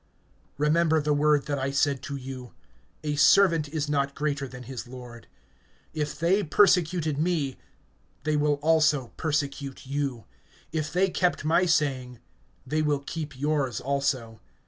(20)Remember the word that I said to you: A servant is not greater than his lord. If they persecuted me, they will also persecute you; if they kept my saying, they will keep yours also.